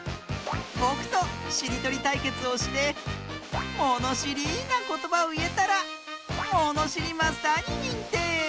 ぼくとしりとりたいけつをしてものしりなことばをいえたらものしりマスターににんてい！